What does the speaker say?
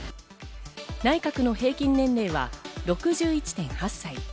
内閣の平均年齢は６１．８歳。